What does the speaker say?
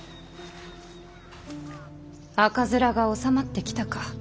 赤面が収まってきたか。